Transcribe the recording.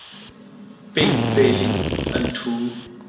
Ping tein an ṭhu.